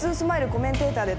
コメンテーターで台場。